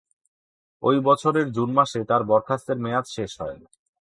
ঐ বছরের জুন মাসে তার বরখাস্তের মেয়াদ শেষ হয়।